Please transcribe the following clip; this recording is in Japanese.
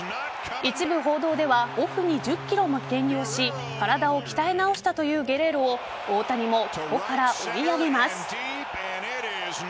一部報道ではオフに１０ｋｇも減量し体を鍛え直したというゲレーロを大谷もここから追い上げます。